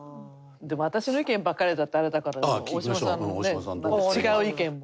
でも私の意見ばっかりだとあれだから大島さんのね違う意見も。